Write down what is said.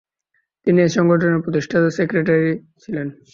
তিনি এই সংগঠনের প্রতিষ্ঠাতা সেক্রেটারি ছিলেন।